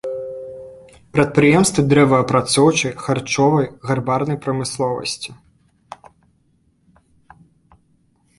Прадпрыемствы дрэваапрацоўчай, харчовай, гарбарнай прамысловасці.